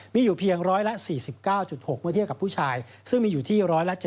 มีอยู่เพียง๑๔๙๖เมื่อเทียบกับผู้ชายซึ่งมีอยู่ที่๑๗๐